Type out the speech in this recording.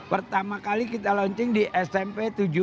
pertama kali kita launching di smp tujuh puluh